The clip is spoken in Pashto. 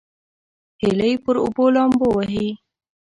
هیلۍ پر اوبو لامبو وهي